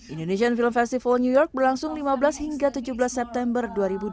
indonesian film festival new york berlangsung lima belas hingga tujuh belas september dua ribu dua puluh